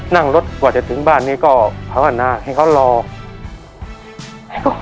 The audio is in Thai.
นั่งรถกว่าจะถึงบ้านนี้ก็ภารกับหน้าให้เขารอให้เขารอ